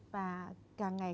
và càng ngày